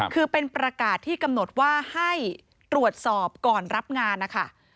คือเป็นประกาศที่กำหนดว่าให้ตรวจสอบก่อนรับงานนะคะ